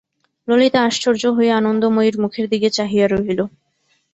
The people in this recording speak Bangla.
ললিতা আশ্চর্য হইয়া আনন্দময়ীর মুখের দিকে চাহিয়া রহিল।